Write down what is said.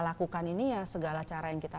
lakukan ini ya segala cara yang kita